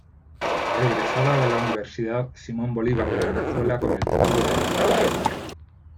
Egresada de la Universidad Simón Bolívar de Venezuela con el título de Arquitecto.